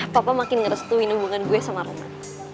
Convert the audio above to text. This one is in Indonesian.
papa makin ngerestuin hubungan gue sama romer